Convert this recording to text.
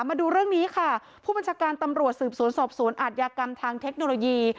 มาดูเรื่องนี้ค่ะผู้บัญชาการตำรวจสืบสวนสอบสวนอาทยากรรมทางเทคโนโลยี